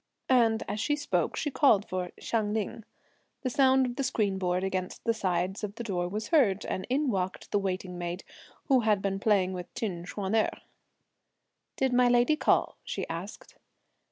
And as she spoke, she called for Hsiang Ling. The sound of the screen board against the sides of the door was heard, and in walked the waiting maid, who had been playing with Chin Ch'uan erh. "Did my lady call?" she asked.